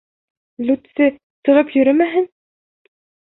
Л үтсе сығып йөрөмәһен!